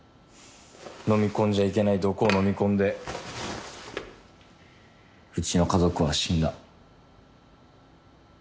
飲み込んじゃいけない毒を飲み込んでうちの家族は死んだ。